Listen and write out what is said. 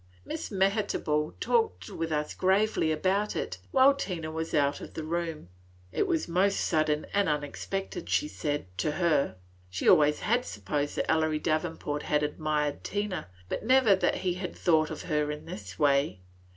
Miss Mehitable talked with us gravely about it while Tina was out of the room. It was most sudden and unexpected, she said, to her; she always had supposed that Ellery Davenport had admired Tina, but never that he had thought of her in this way.